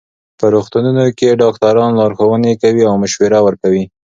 په روغتونونو کې ډاکټران لارښوونې کوي او مشوره ورکوي.